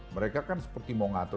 mereka kan seperti mau ngatur